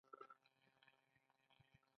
ایا اوبه د ژوند لپاره اړینې دي؟